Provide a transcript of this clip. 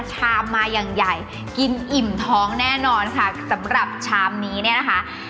ชามมาอย่างใหญ่กินอิ่มท้องแน่นอนค่ะสำหรับชามนี้เนี่ยนะคะ